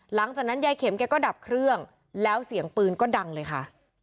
หลังจากนั้นยายเข็มแกก็ดับเครื่องแล้วเสียงปืนก็ดังเลยค่ะ